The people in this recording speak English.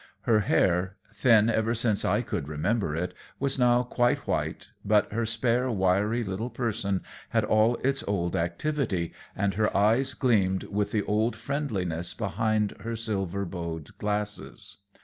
Her hair, thin ever since I could remember it, was now quite white, but her spare, wiry little person had all its old activity, and her eyes gleamed with the old friendliness behind her silver bowed glasses.